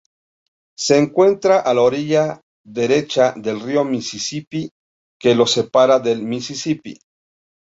Se encuentra a la orilla derecha del río Misisipi que lo separa de Misisipi.